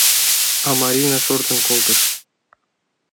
А Марина шортын колтыш.